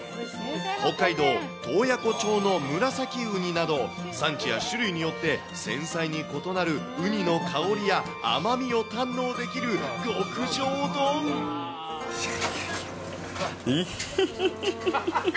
北海道洞爺湖町のムラサキウニなど、産地や種類によって繊細に異なるウニの香りや甘みを堪能できる極いっひひひひひ。